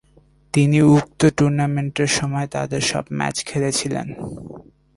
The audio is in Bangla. তিনি উক্ত টুর্নামেন্টের সময়ে তাদের সব ম্যাচে খেলেছিলেন।